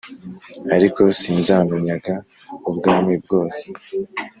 Ariko sinzamunyaga ubwami bwose